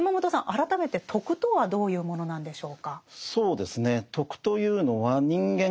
改めて「徳」とはどういうものなんでしょうか？